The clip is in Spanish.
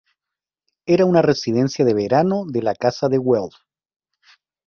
Era una residencia de verano de la Casa de Welf.